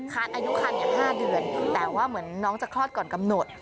อายุคัน๕เดือนแต่ว่าเหมือนน้องจะคลอดก่อนกำหนด